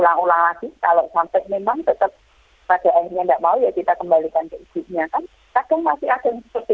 tapi masih ada yang seperti itu mbak